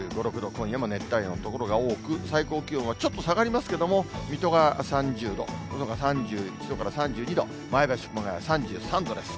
今夜も熱帯夜の所が多く、最高気温はちょっと下がりますけども、水戸が３０度、そのほか３１度から３２度、前橋、熊谷、３３度です。